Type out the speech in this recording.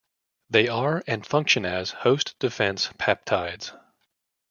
They are, and function as, host defense peptides.